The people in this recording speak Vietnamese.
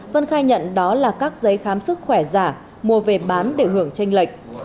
vân khai nhận đó là các giấy khám sức khỏe giả mua về bán để hưởng tranh lệch